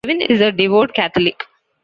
Gaven is a devout Catholic.